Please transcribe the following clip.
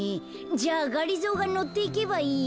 じゃあがりぞーがのっていけばいいよ。